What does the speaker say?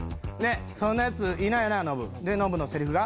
「そんなヤツいないよなノブ」でノブのセリフが？